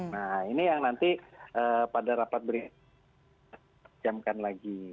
nah ini yang nanti pada rapat berikutnya dijamkan lagi